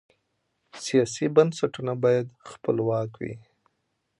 سیاسي بنسټونه باید خپلواک وي